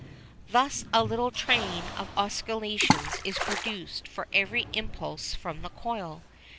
Thus a little train of oscillations is produced for every impulse from the coil.